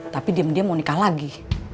tapi diem dia mau nikah lagi